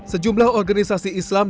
sejumlah organisasi islam